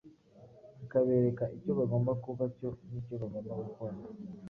akabereka icyo bagomba kuba cyo n’icyo bagomba gukora